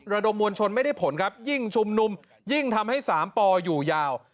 ระดมมวลชนไม่ได้ผลครับยิ่งชุมนุมยิ่งทำให้สามปอยู่ยาว